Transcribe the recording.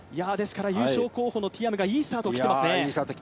優勝候補のティアムがいいスタートを切ってますね。